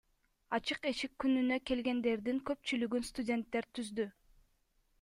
Ачык эшик күнүнө келгендердин көпчүлүгүн студенттер түздү.